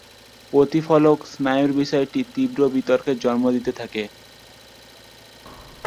প্রতিফলক স্নায়ুর বিষয়টি তীব্র বিতর্কের জন্ম দিতে থাকে।